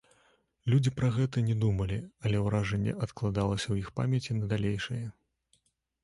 Людзі пра гэта не думалі, але ўражанне адкладалася ў іх памяці на далейшае.